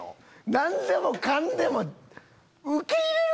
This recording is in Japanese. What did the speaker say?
何でもかんでも受け入れるなよ！